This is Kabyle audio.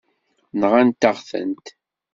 Nɣant-aɣ-tent.